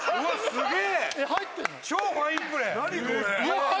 すげえ！